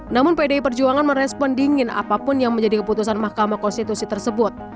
namun pdi perjuangan merespon dingin apapun yang menjadi keputusan mahkamah konstitusi tersebut